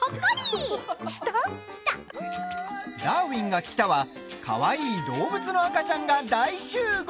「ダーウィンが来た！」はかわいい動物の赤ちゃんが大集合。